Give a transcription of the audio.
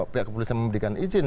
pihak kepolisian memberikan izin